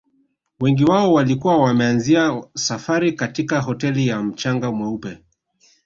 Wengi wao walikuwa wameanzia safari katika hoteli ya mchanga mweupe